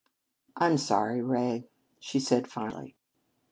"I'm sorry, Ray," she said finally.